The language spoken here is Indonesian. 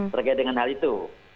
terkait dengan hal itu